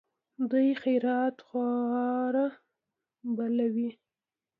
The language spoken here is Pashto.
دوی خیرات خواره بلوي.